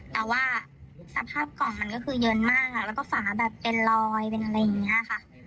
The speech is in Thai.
แต่ว่าสภาพกล่องมันก็คือเย็นมากแล้วก็ฝาแบบเป็นลอยเป็นอะไรอย่างนี้ค่ะ